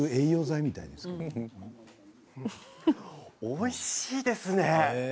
おいしいですね。